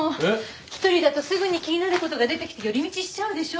１人だとすぐに気になる事が出てきて寄り道しちゃうでしょ。